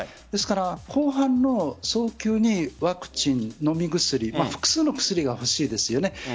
ですから、後半の早急にワクチン、飲み薬複数の薬が欲しいですよね。